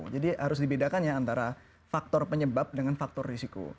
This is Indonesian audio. jadi harus dibedakan antara faktor penyebab dengan faktor risiko